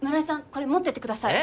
これ持っててください。